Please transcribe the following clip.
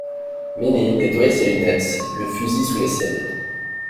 Mesnil nettoya ses lunettes, le fusil sous l'aisselle.